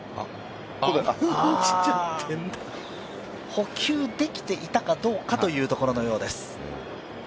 捕球できていたかどうかというところのようです。